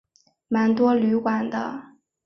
蛮多旅馆的